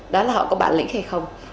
đó là họ có bản lĩnh hay không